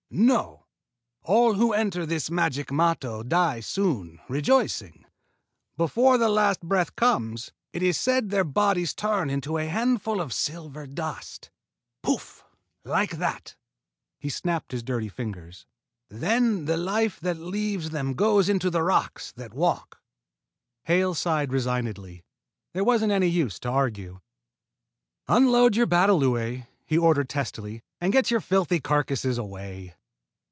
"No. All who enter this magic matto die soon, rejoicing. Before the last breath comes, it is said their bodies turn into a handful of silver dust poof! like that." He snapped his dirty fingers. "Then the life that leaves them goes into rocks that walk." Hale sighed resignedly. There wasn't any use to argue. "Unload your batalõe," he ordered testily, "and get your filthy carcasses away."